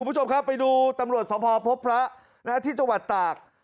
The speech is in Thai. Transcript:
คุณผู้ชมครับไปดูตำรวจสภพบพระที่จังหวัดตาก